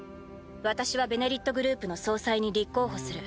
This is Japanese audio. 私は「ベネリット」グループの総裁に立候補する。